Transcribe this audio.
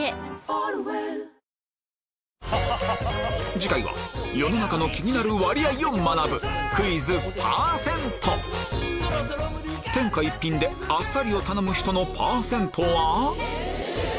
次回は世の中の気になる割合を学ぶクイズ・パーセント天下一品であっさりを頼む人のパーセントは？